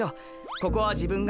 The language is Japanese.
ここは自分が。